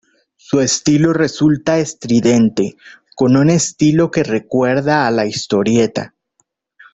Su estilo resulta estridente, con un estilo que recuerda a la historieta.